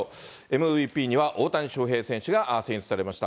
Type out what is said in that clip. ＭＶＰには大谷翔平選手が選出されました。